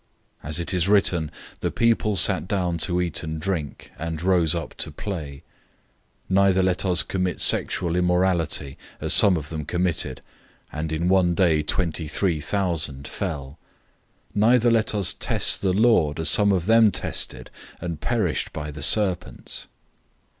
As it is written, "The people sat down to eat and drink, and rose up to play."{Exodus 32:6} 010:008 Neither let us commit sexual immorality, as some of them committed, and in one day twenty three thousand fell. 010:009 Neither let us test the Lord, as some of them tested, and perished by the serpents.